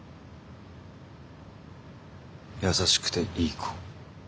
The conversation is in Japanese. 優しくていい子。